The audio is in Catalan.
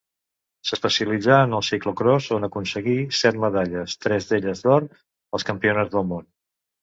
S'especialitzà en el ciclocròs on aconseguí set medalles, tres d'elles d'or, als Campionats del món.